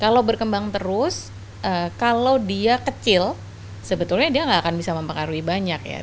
kalau berkembang terus kalau dia kecil sebetulnya dia nggak akan bisa mempengaruhi banyak ya